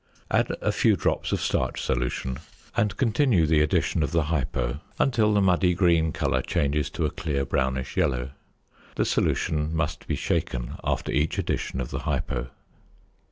Add a few drops of starch solution, and continue the addition of the "hypo" until the muddy green colour changes to a clear brownish yellow. The solution must be shaken after each addition of the "hypo."